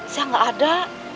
saya gak ada